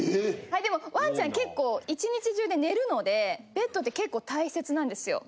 でもワンちゃん結構１日中で寝るのでベッドって結構大切なんですよ。